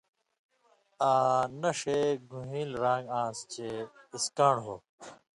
آں نہ ݜے گُون٘ہېل ران٘گ آن٘س چے اِسکان٘ڑ ہو